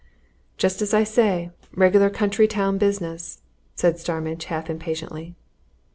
"Just as I say regular country town business," said Starmidge, half impatiently.